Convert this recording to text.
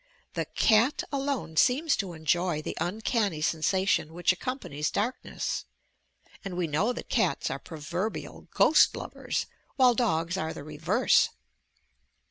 The cat alone seems to enjoy the uncanny sensation which accom panies darkness, and we know that cats are proverbial "ghost lovers," while dogs are the reverse!